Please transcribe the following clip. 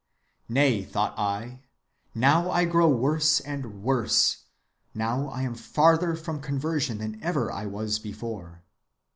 "Nay, thought I, now I grow worse and worse; now I am farther from conversion than ever I was before.